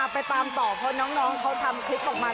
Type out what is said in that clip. ไปตามต่อเพราะน้องเขาทำคลิปออกมา